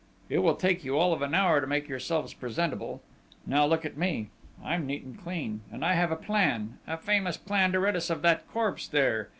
It will take you all of an hour to make yourselves presentable!... Now, look at me! I'm neat and clean ... and I have a plan ... a famous plan to rid us of that corpse there!